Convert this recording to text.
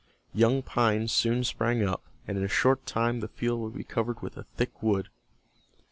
Young pines soon sprang up, and in a short time the field would be covered with a thick wood.